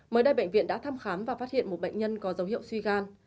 mới đây bệnh viện đã thăm khám và phát hiện một bệnh nhân có dấu hiệu suy gan